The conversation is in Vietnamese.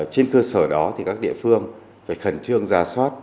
trên cơ sở đó thì các địa phương phải khẩn trương ra soát